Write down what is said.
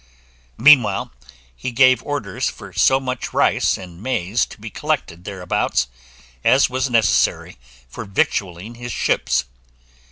Meanwhile he gave orders for so much rice and maize to be collected thereabouts, as was necessary for victualling his ships.